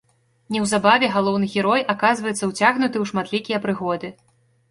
Неўзабаве галоўны герой аказваецца ўцягнуты ў шматлікія прыгоды.